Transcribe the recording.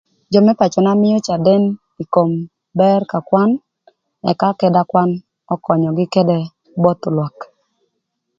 Jö më pacöna mïö caden ï kom bër ka kwan ëka kita kwan ökönyögï ködë both lwak.